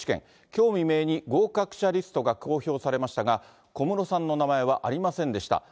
きょう未明に合格者リストが公表されましたが、小室さんの名前はありませんでした。